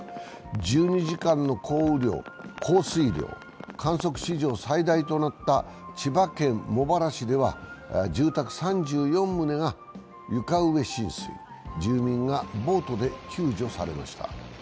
１２時間の降水量、観測史上最大となった千葉県茂原市では住宅３４棟が床上浸水、住民がボートで救助されました。